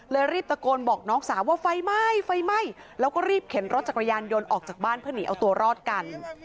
รีบตะโกนบอกน้องสาวว่าไฟไหม้ไฟไหม้แล้วก็รีบเข็นรถจักรยานยนต์ออกจากบ้านเพื่อหนีเอาตัวรอดกัน